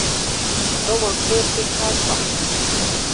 ระวังเรื่องไม่คาดฝัน